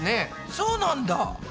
そうなんだ。